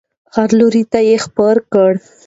هر لور ته یې خپره کړو.